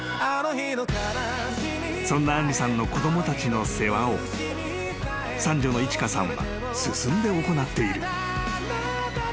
［そんな杏梨さんの子供たちの世話を三女の一花さんは進んで行っている］